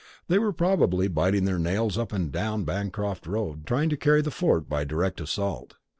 They were probably all biting their nails up and down Bancroft Road trying to carry the fort by direct assault.